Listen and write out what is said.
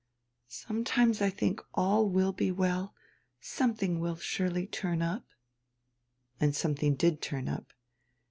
Sometimes I think all will be well yet, some tiling will surely turn up." And something did turn up.